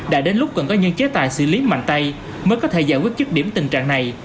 đã đến lúc cần có những chế tài xử lý mạnh tay mới có thể giải quyết chức điểm tình trạng này